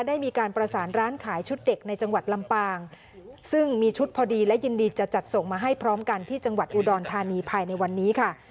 ได้มีการประสานร้านขายชุดเด็กในจังหวัดลำปางซึ่งมีชุดพอดีและยินดีจะจัดส่งมาให้พร้อมกันที่จังหวัดอุดรธานีภายในวันนี้ค่ะ